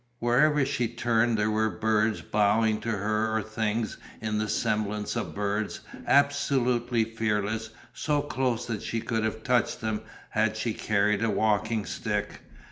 Wherever she turned there were birds bowing to her or things in the semblance of birds, absolutely fearless, so close that she could have touched them had she carried a walking stick.